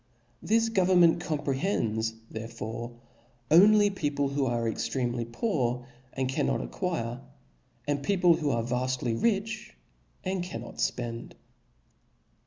This go vernment comprehends therefore only people who are extremely poor, and cannot acquire ; and peo* pie who are vaftly rich, and cannot fpend.